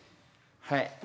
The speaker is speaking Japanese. はい。